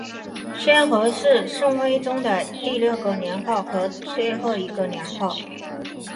宣和是宋徽宗的第六个年号和最后一个年号。